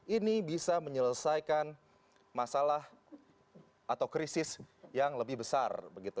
ini bisa menyelesaikan masalah atau krisis yang lebih besar